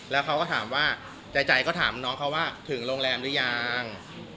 แล้วเขาก็ถามว่าใจก็ถามน้องเขาว่าถึงโรงแรมหรือยัง